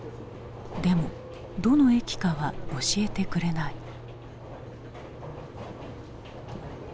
でもどの駅かは教えてくれない。